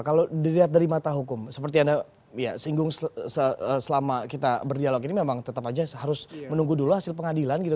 kalau dilihat dari mata hukum seperti anda singgung selama kita berdialog ini memang tetap aja harus menunggu dulu hasil pengadilan gitu